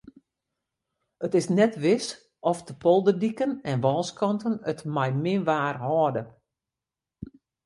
It is net wis oft de polderdiken en wâlskanten it mei min waar hâlde.